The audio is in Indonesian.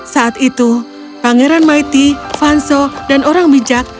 saat itu pangeran mighty fanzo dan orang bijak